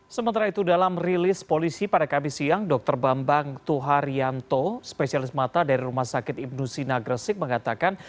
sementara itu dalam rilis polisi pada kb siang dr bambang tuharyanto spesialis mata dari rumah sakit ibnusina gresik mengatakan